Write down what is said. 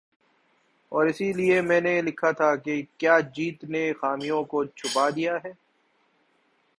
اور اسی لیے میں نے لکھا تھا کہ "کیا جیت نے خامیوں کو چھپا دیا ہے ۔